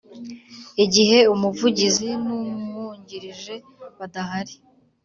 Igihe Umuvugizi n Umwungirije badahari